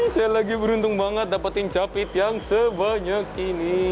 saya lagi beruntung banget dapetin capit yang sebanyak ini